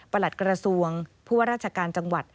หลัดกระทรวงผู้ว่าราชการจังหวัด